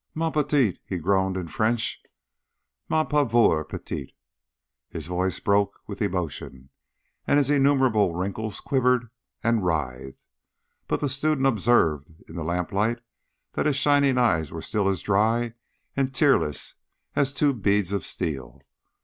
"Ma petite!" he groaned in French. "Ma pauvre petite!" His voice broke with emotion, and his innumerable wrinkles quivered and writhed, but the student observed in the lamplight that his shining eyes were still as dry and tearless as two beads of steel.